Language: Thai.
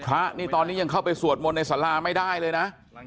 พระนี่ตอนนี้ยังเข้าไปสวดมนต์ในสาราไม่ได้เลยนะ